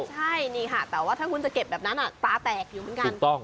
ใช่นี่ค่ะแต่ว่าถ้าคุณจะเก็บแบบนั้นตาแตกอยู่เหมือนกัน